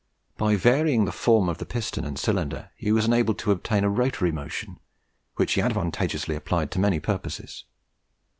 By varying the form of the piston and cylinder he was enabled to obtain a rotary motion, which he advantageously applied to many purposes.